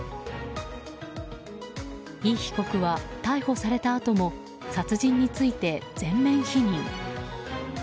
イ被告は逮捕されたあとも殺人について全面否認。